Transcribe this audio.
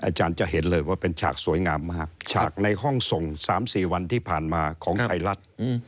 อาจารย์จะเห็นเลยว่าเป็นฉากสวยงามมากฉากในห้องส่ง๓๔วันที่ผ่านมาของไทยรัฐ